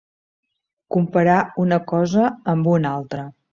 Comparar una cosa amb una altra.